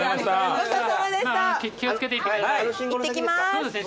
そうですね。